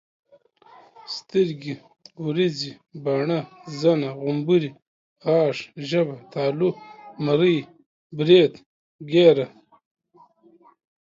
سترګي ، وريزي، باڼه، زنه، غمبوري، غاښ، ژبه ،تالو، مرۍ، بريت، ګيره